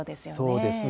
そうですね。